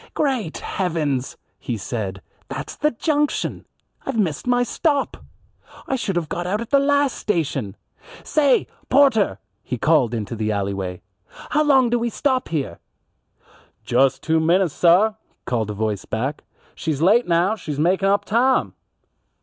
"Great heavens!" he said, "that's the junction. I've missed my stop. I should have got out at the last station. Say, porter," he called out into the alleyway, "how long do we stop here?" "Just two minutes, sah," called a voice back. "She's late now, she's makin' up tahm!"